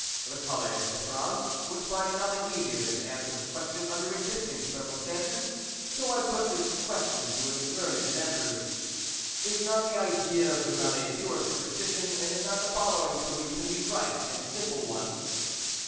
The College de France would find nothing easier than to answer this question, under existing . circumstances ; so I put this question to its learned members : Is not the idea of the gun a pure superstition, and is not the following solution the right and simple one